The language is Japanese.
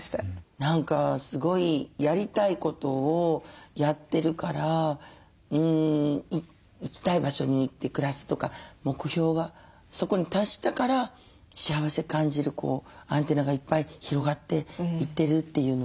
何かすごいやりたいことをやってるから行きたい場所に行って暮らすとか目標はそこに達したから幸せ感じるアンテナがいっぱい広がっていってるというのをすごく思いましたね。